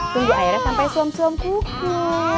tunggu airnya sampai suam suam kuku